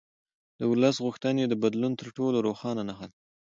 د ولس غوښتنې د بدلون تر ټولو روښانه نښه ده